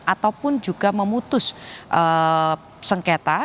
ataupun juga memutus sengketa pada saat rph nanti rapat warung syawaratan hakim